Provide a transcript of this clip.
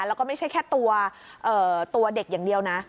แล้วก็ไม่ใช่แค่ตัวเด็กอย่างเดียวนะ